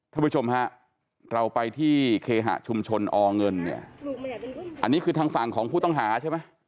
ท่านผู้ชมฮะเราไปที่เคหะชุมชนอเงินเนี่ยอันนี้คือทางฝั่งของผู้ต้องหาใช่ไหม